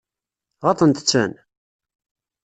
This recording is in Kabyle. Ɣaḍent-ten?